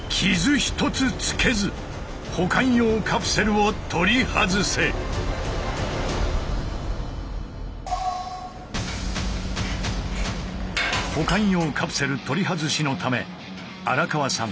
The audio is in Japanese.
やっぱり他の保管用カプセル取り外しのため荒川さん